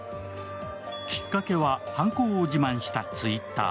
きっかけは、犯行を自慢したＴｗｉｔｔｅｒ。